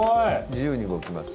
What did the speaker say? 自由に動きます。